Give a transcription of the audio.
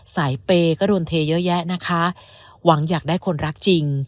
เปย์ก็โดนเทเยอะแยะนะคะหวังอยากได้คนรักจริง